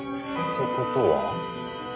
てことは？